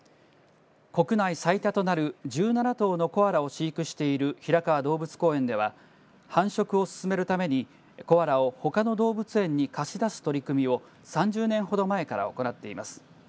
国内最多となる１７頭のコアラを飼育している平川動物公園では繁殖を進めるためにコアラをほかの動物園に貸し出す取り組みを３０年ほど前から行っています。